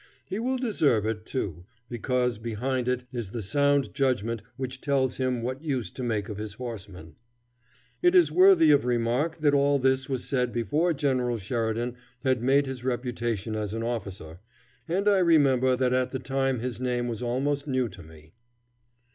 He will deserve it, too, because behind it is the sound judgment which tells him what use to make of his horsemen." It is worthy of remark that all this was said before General Sheridan had made his reputation as an officer, and I remember that at the time his name was almost new to me.